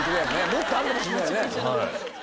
もっとあるかもしれないよね。